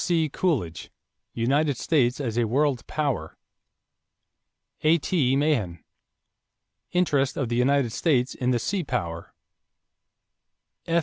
C. Coolidge, United States as a World Power. A.T. Mahan, Interest of the United States in the Sea Power. F.